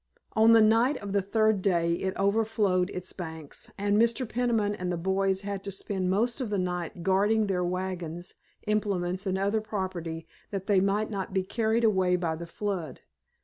On the night of the third day it overflowed its banks, and Mr. Peniman and the boys had to spend most of the night guarding their wagons, implements and other property that they might not be carried away by the flood.